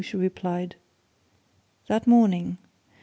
she replied. "That morning.